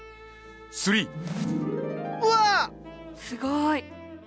すごい！